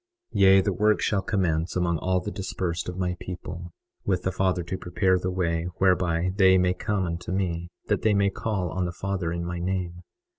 21:27 Yea, the work shall commence among all the dispersed of my people, with the Father to prepare the way whereby they may come unto me, that they may call on the Father in my name.